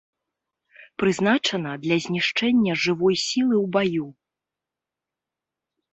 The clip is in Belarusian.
Прызначана для знішчэння жывой сілы ў баю.